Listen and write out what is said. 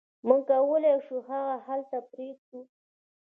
موږ کولی شو هغه هلته پریږدو